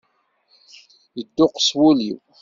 Yedduqus wul-iw.